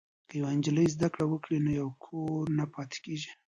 که یوه نجلۍ زده کړه وکړي نو یو کور نه پاتې کیږي.